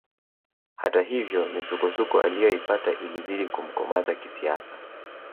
Hata hivyo misukosuko aliyoipitia ilizidi kumkomaza kisiasa